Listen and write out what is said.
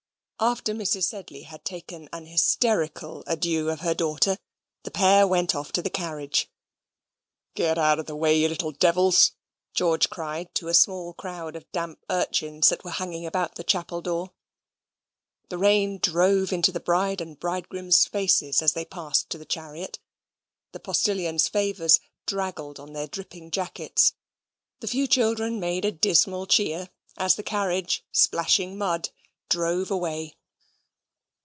After Mrs. Sedley had taken an hysterical adieu of her daughter, the pair went off to the carriage. "Get out of the way, you little devils," George cried to a small crowd of damp urchins, that were hanging about the chapel door. The rain drove into the bride and bridegroom's faces as they passed to the chariot. The postilions' favours draggled on their dripping jackets. The few children made a dismal cheer, as the carriage, splashing mud, drove away.